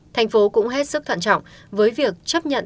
thành phố cũng hết sức thận trọng với việc chấp nhận